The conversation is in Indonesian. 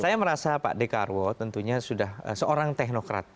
saya merasa pak dekarwo tentunya sudah seorang teknokrat